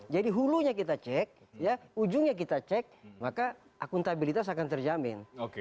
jadi hulunya kita cek ujungnya kita cek maka akuntabilitas akan terjamin